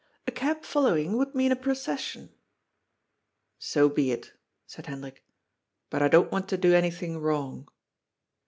^^A cab following would mean a procession." « So be it," said Hendrik. « But I don't want to do anything wrong."